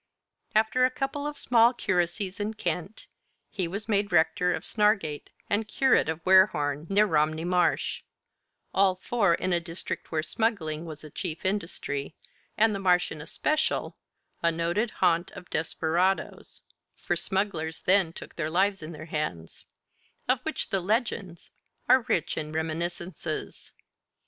After a couple of small curacies in Kent, he was made rector of Snargate and curate of Warehorn, near Romney Marsh; all four in a district where smuggling was a chief industry, and the Marsh in especial a noted haunt of desperadoes (for smugglers then took their lives in their hands), of which the 'Legends' are rich in reminiscences.